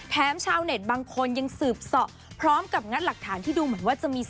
ชาวเน็ตบางคนยังสืบเสาะพร้อมกับงัดหลักฐานที่ดูเหมือนว่าจะมี